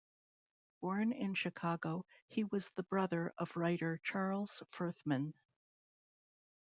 Born in Chicago, he was the brother of writer Charles Furthman.